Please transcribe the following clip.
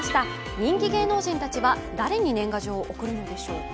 人気芸能人たちは誰に年賀状を送るのでしょうか。